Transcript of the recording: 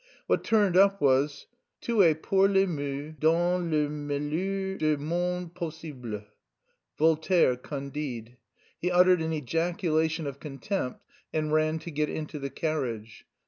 What turned up was: "Tout est pour le mieux dans le meilleur des mondes possibles." Voltaire, Candide. He uttered an ejaculation of contempt and ran to get into the carriage.